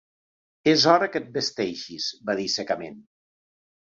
"És hora que et vesteixis", va dir secament.